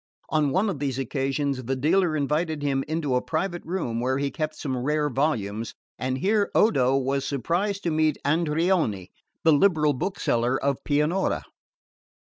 On one of these occasions the dealer invited him into a private room where he kept some rare volumes, and here Odo was surprised to meet Andreoni, the liberal bookseller of Pianura.